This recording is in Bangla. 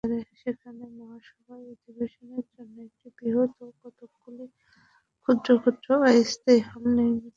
সেখানে মহাসভার অধিবেশনের জন্য একটি বৃহৎ ও কতকগুলি ক্ষুদ্র ক্ষুদ্র অস্থায়ী হল নির্মিত হইয়াছিল।